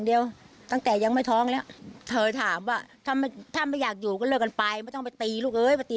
ที่มันเป็นอย่างนี้ที่มันเป็นอย่างนี้มันต้องหนีอะไรอย่างนี้